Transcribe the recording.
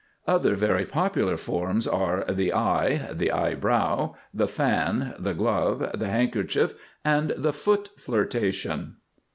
Other very popular forms are the Eye, the Eyebrow, the Fan, the Glove, the Handkerchief, and the Foot Flirtation.